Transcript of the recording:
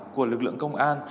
của lực lượng công an